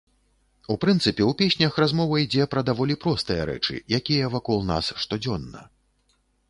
У прынцыпе ў песнях размова ідзе пра даволі простыя рэчы, якія вакол нас штодзённа.